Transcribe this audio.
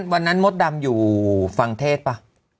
วันนั้นโมดดำอยู่ฟังเทศป่ะ